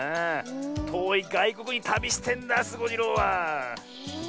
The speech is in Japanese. とおいがいこくにたびしてんだスゴジロウは。え。